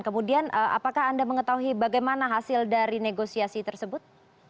kemudian apakah anda mengetahui bagaimana hasil dari negosiasi tersebut